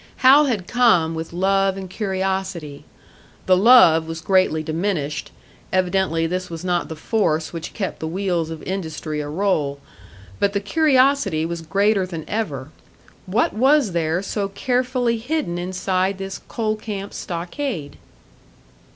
Hal had come with love and curiosity. The love was greatly diminished evidently this was not the force which kept the wheels of industry a roll. But the curiosity was greater than ever. What was there so carefully hidden inside this coal camp stockade?